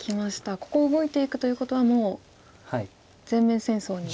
ここ動いていくということはもう全面戦争に。